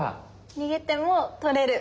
逃げても取れる。